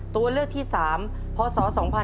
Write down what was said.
ตัวเลือกที่๓พศ๒๕๕๙